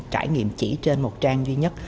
trải nghiệm chỉ trên một trang duy nhất